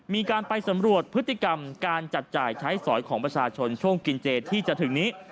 มีการไปสำรวจพฤติกรรมการจัดจ่ายใช้สอยของประชาชนช่วงกินเจที่จะถึงนี้